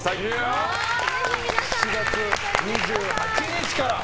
７月２８日から。